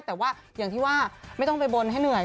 แต่ว่าอย่างที่ว่าไม่ต้องไปบนให้เหนื่อย